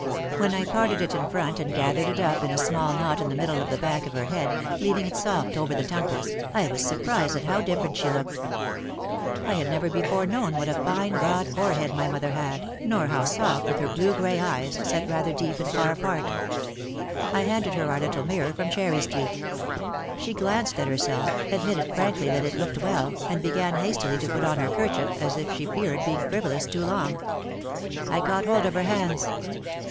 When I parted it in front and gath ered it up in a small knot in the middle of the back of her head, leaving it soft over the temples, I was surprised how different she looked. I had never before known what a fine broad forehead my mother had, nor how soft were her blue grey eyes, set rather deep and far apart. I handed her our little mirror from Cherry Street. She glanced at herself, admitted frankly that it looked well and began hastily to put on her kerchief as if she feared being frivolous too long. I caught hold of her hands.